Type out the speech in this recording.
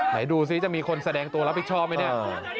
ไหนดูซิจะมีคนแสดงตัวรับผิดชอบไหมเนี่ย